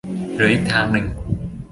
หรืออีกทางหนึ่ง